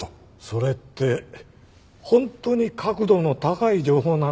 それって本当に確度の高い情報なの？